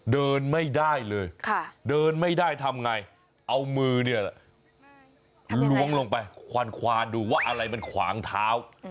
เดินไม่ได้เลยเดินไม่ได้ทำไงเอามือเนี่ยล้วงลงไปควานดูว่าอะไรมันขวางเท้า